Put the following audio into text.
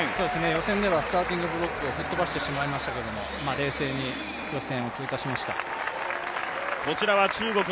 予選ではスターティング・ブロックを吹き飛ばしてしまいましたけど冷静に予選を通過しました。